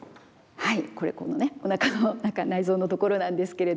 はい。